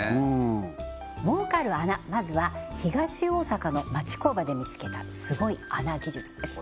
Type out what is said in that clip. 儲かる穴まずは東大阪の町工場で見つけたスゴい穴技術です